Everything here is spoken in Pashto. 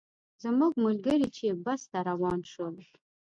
زموږ ملګري چې بس ته روان شول.